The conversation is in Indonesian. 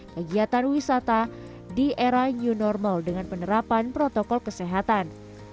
kegiatan wisata di era new normal dengan penerapan protokol kesehatan